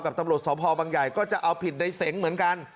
ตำรวจสพบังใหญ่ก็จะเอาผิดในเสงเหมือนกัน